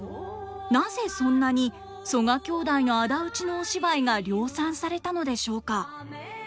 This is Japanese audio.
なぜそんなに曽我兄弟の仇討ちのお芝居が量産されたのでしょうか？